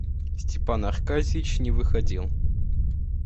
Степан Аркадьич не выходил.